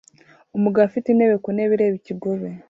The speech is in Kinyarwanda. Umugabo afite intebe ku ntebe ireba ikigobe